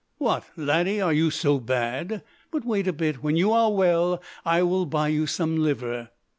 "What, laddie, are you so bad? But wait a bit, when you are well I will buy you some liver."